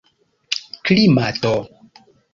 klimato